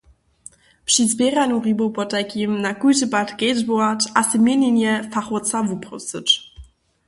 Při zběranju hribow potajkim na kóždy pad kedźbować a sej měnjenje fachowca wuprosyć.